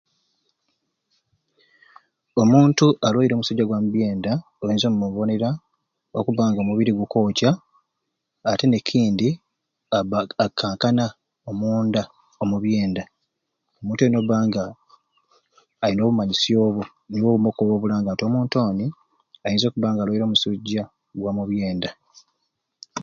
Omuntu alwaire omusujja gwamubyenda oyinza omubonera okubanga omubiri gukwokya ate nekindi abba akankana omunda omubyenda, omuntu oyo nobanga ayina obumanyisyo obwo nibwo okubumwei obulanga nti omuntu oni ayinza okubba nga alwaire omusujja gwamubyenda.